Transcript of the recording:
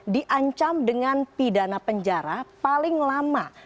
diancam dengan pidana penjara paling lama